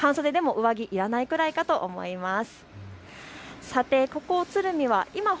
半袖でも上着、いらないくらいかと思います。